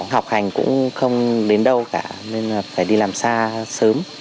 học hành cũng không đến đâu cả nên là phải đi làm xa sớm